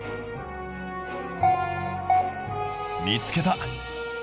見つけた！